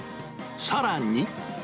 さらに。